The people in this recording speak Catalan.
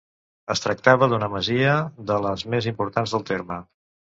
Es tractava d'una masia de les més importants del terme.